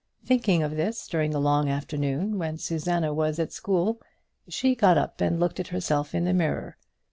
Thinking of this during the long afternoon, when Susanna was at school, she got up and looked at herself in the mirror.